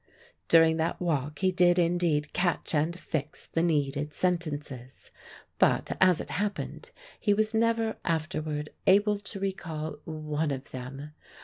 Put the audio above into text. During that walk he did indeed catch and fix the needed sentences. But, as it happened, he was never afterward able to recall one of them.